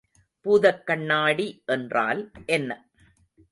பூதக்கண்ணாடி என்றால் என்ன?